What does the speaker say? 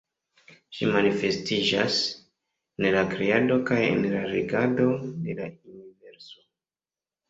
Ĝi manifestiĝas en la kreado kaj en la regado de la universo.